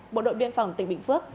bộ đội biên phòng tỉnh bình phước